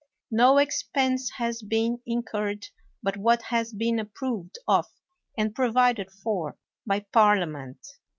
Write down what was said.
Xo expense has been incurred but what has been approved of and provided for by Parlia ment.